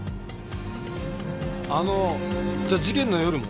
あのじゃあ事件の夜も？